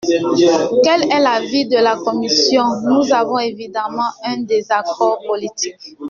Quel est l’avis de la commission ? Nous avons évidemment un désaccord politique.